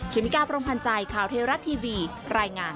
เมกาพรมพันธ์ใจข่าวเทวรัฐทีวีรายงาน